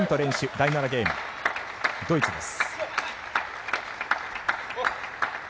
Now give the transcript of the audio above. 第７ゲーム、ドイツです。